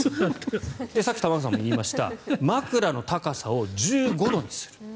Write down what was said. さっき、玉川さんも言いました枕の高さを１５度にする。